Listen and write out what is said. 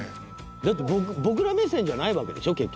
だって僕ら目線じゃないわけでしょ結局。